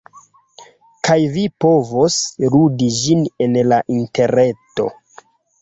kaj vi povos ludi ĝin en la interreto.